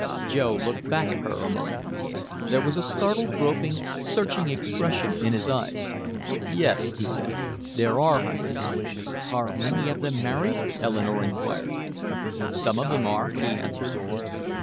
Joe looked back at her a moment. There was a startled, groping, searching expression in his eyes. "Yes," he said. "There are hundreds." "Are many of them married?" Eleanore inquired. "Some of them are," he answered.